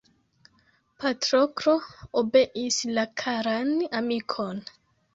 Patroklo obeis la karan amikon.